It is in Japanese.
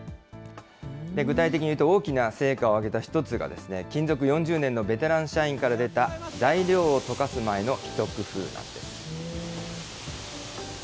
具体的にいうと大きな成果を上げた１つが勤続４０年のベテラン社員から出た材料を溶かす前のひと工夫なんです。